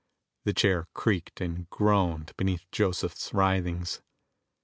The chair creaked and groaned beneath Josephs' writhings.